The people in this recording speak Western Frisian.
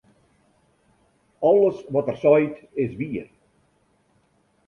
Alles wat er seit, is wier.